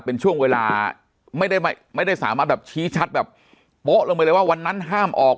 เป็นช่วงเวลาไม่ได้ไม่ได้สามารถแบบชี้ชัดแบบโป๊ะลงไปเลยว่าวันนั้นห้ามออก